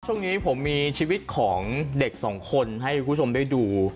ช่วงนี้ผมมีชีวิตของเด็กสองคนให้คุณผู้ชมได้ดู